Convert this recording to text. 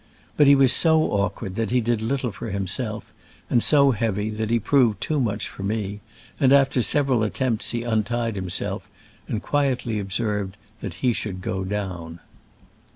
But he was so awkward that he did little for himself, and so heavy that he proved too much for me, and after several attempts he untied himself and quietly observed that he should go down.